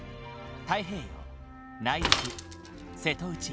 太平洋内陸瀬戸内